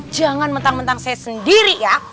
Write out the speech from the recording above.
jangan mentang mentang saya sendiri ya